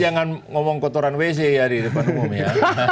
jadi jangan ngomong kotoran wc ya di depan umum ya